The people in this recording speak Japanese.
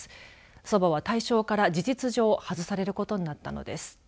そばは対象から事実上外されることになったのです。